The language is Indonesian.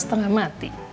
sekarang istrinya udah mati